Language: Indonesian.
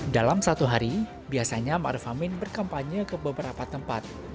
dalam satu hari biasanya ma'ruf amin berkampanye ke beberapa tempat